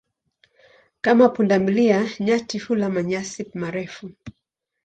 Kama punda milia, nyati hula manyasi marefu.